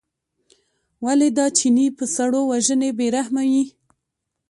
ولې دا چینی په سړو وژنې بې رحمه یې.